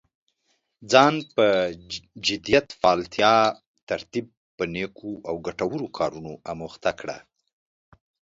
ځان په جديت، فعاليتا، ترتيب په نيکو او ګټورو کارونو اموخته کړه.